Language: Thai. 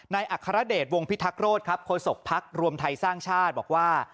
ในอัครเดชวงพิทักษ์โรธโคศกพรรครวมไทยสร้างชาติบอกว่า